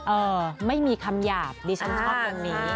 เออไม่มีคำหยาบดิฉันชอบเรื่องนี้